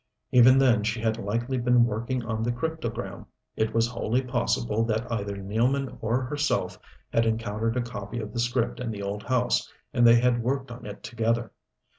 Even then she had likely been working on the cryptogram. It was wholly possible that either Nealman or herself had encountered a copy of the script in the old house, and they had worked on it together.